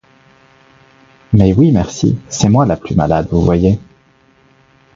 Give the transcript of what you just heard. Mais oui, merci, c'est moi la plus malade, vous voyez.